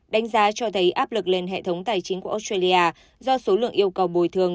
đánh giá cho thấy áp lực lên hệ thống tài chính của australia do số lượng yêu cầu bồi thường